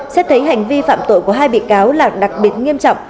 xét thấy hành vi phạm tội của hai bị cáo là đặc biệt nghiêm trọng